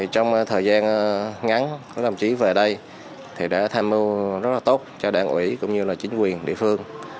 trong thời gian ngắn các đồng chí về đây đã tham mưu rất là tốt cho đảng ủy cũng như chính quyền địa phương